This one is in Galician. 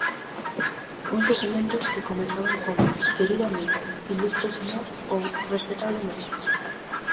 Uns documentos que comezaban como "querido amigo", "ilustre señor" ou "respetable mestre".